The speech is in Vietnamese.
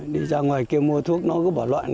đi ra ngoài kêu mua thuốc nó cứ bỏ loại